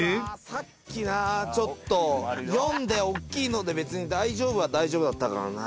さっきなちょっと４でおっきいので別に大丈夫は大丈夫だったからな。